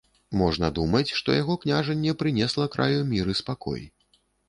Можна думаць, што яго княжанне прынесла краю мір і спакой.